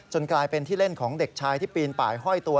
กลายเป็นที่เล่นของเด็กชายที่ปีนป่ายห้อยตัว